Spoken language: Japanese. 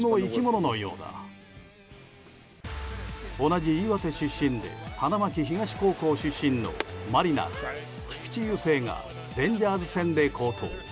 同じ岩手出身で花巻東高校出身のマリナーズ菊池雄星がレンジャース戦で好投。